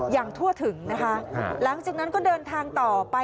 อย่างทั่วถึงนะคะหลังจากนั้นก็เดินทางต่อไป